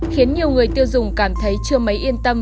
khiến nhiều người tiêu dùng cảm thấy chưa mấy yên tâm